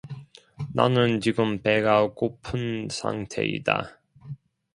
나는 지금 배가 고픈 상태이다.